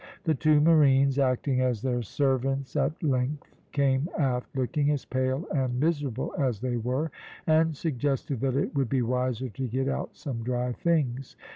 The two marines acting as their servants at length came aft, looking as pale and miserable as they were, and suggested that it would be wiser to get out some dry things.